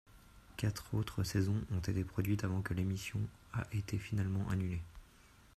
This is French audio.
Quatre autres saisons ont été produites avant que l'émission a été finalement annulé.